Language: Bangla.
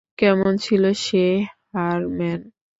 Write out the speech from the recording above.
কেমন ছিল সে, হারম্যান?